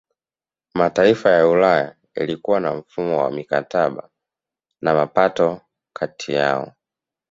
Mataifa ya Ulaya yalikuwa na mfumo wa mikataba na mapatano kati yao